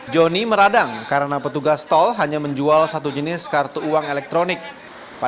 jangan lupa like share dan subscribe ya